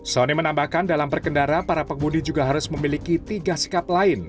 soni menambahkan dalam perkendara para pengundi juga harus memiliki tiga sikap lain